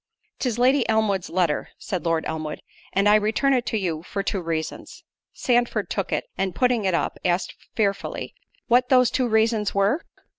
"'Tis Lady Elmwood's letter," said Lord Elmwood, "and I return it to you for two reasons." Sandford took it, and putting it up, asked fearfully, "What those two reasons were?"